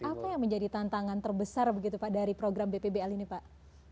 apa yang menjadi tantangan terbesar begitu pak dari program bpbl ini pak